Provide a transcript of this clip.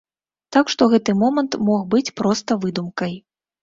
Так што гэты момант мог быць проста выдумкай.